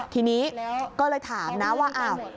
ทีนี้ก็เลยถามนะว่าอ้าว